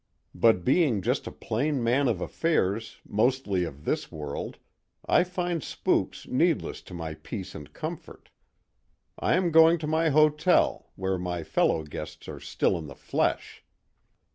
But being just a plain man of affairs, mostly of this world, I find spooks needless to my peace and comfort. I am going to my hotel, where my fellow guests are still in the flesh."